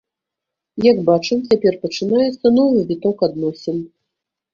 Як бачым, цяпер пачынаецца новы віток адносін.